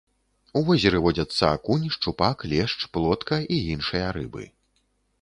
У возеры водзяцца акунь, шчупак, лешч, плотка і іншыя рыбы.